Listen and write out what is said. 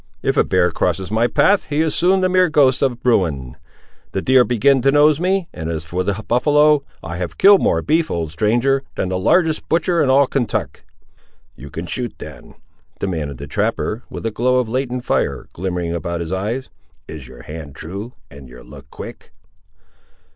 If a bear crosses my path, he is soon the mere ghost of Bruin. The deer begin to nose me; and as for the buffaloe, I have kill'd more beef, old stranger, than the largest butcher in all Kentuck." "You can shoot, then!" demanded the trapper, with a glow of latent fire, glimmering about his eyes; "is your hand true, and your look quick?"